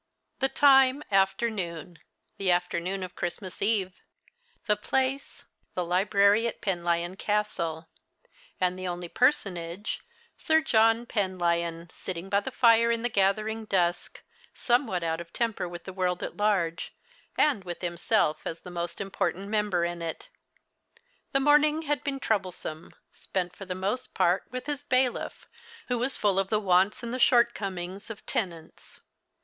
THE time, after noon — the after noon of Christmas Eve ; the place, the library at Penlyon Castle ; and the only personage Sir John Penlyon, sitting by the fire in the gathering dusk, somewhat out of temper with the world at large, and with himself as the most im portant member in it. The morning had been trouble some, spent for the most part with his bailiff, who \\as full of the wants and the shortcomings of tenants.